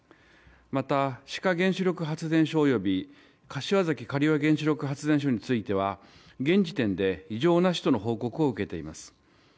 また、志賀原子力発電所柏崎刈羽原子力発電所においては現時点で異常なしとの報告を受けています。